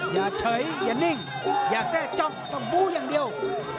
อย่าเฉยอย่านิ่งอย่าแทร่จ้องต้องบู้อย่างเดียว